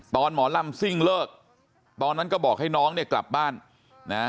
หมอลำซิ่งเลิกตอนนั้นก็บอกให้น้องเนี่ยกลับบ้านนะ